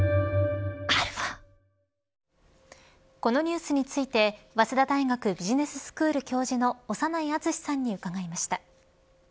このニュースについて早稲田大学ビジネススクール教授の長内厚さんに伺いました。